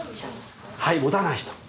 はい持たない人？